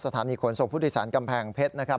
สถานีขนส่งพุทธฤษัณภ์กำแพงเพชรนะครับ